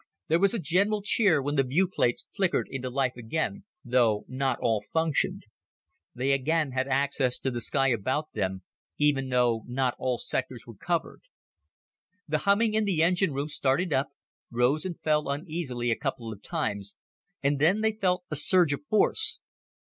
There was a general cheer when the viewplates flickered into life again, though not all functioned. They again had access to the sky about them even though not all sectors were covered. The humming in the engine room started up, rose and fell uneasily a couple of times, and then they felt a surge of force.